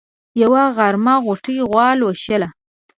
يوه غرمه غوټۍ غوا لوشله.